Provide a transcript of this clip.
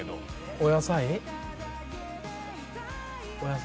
お野菜？